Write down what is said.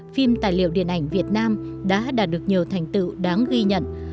phim tài liệu điện ảnh việt nam đã đạt được nhiều thành tựu đáng ghi nhận